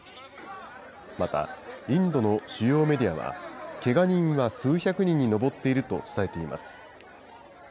またインドの主要メディアは、けが人は数百人に上っていると伝えています。